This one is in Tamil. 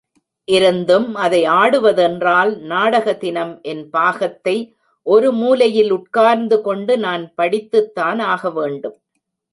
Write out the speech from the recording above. இருந்தும் அதை ஆடுவ தென்றால் நாடக தினம் என் பாகத்தை, ஒரு மூலையில் உட்கார்ந்துகொண்டு நான் படித்துத்தான் ஆகவேண்டும்.